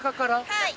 はい！